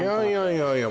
いやいや